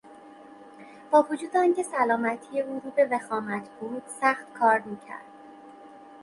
با وجود آنکه سلامتی او روبه وخامت بود سخت کار میکرد.